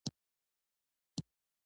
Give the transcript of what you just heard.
زما سر اوږېره په زندان کې ډیر ببر شوي وو.